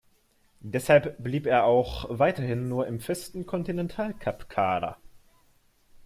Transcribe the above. Deshalb blieb er auch weiterhin nur im festen Continental-Cup-Kader.